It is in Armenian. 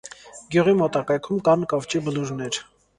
Գյուղի մոտակայքում կան կավճի բլուրներ։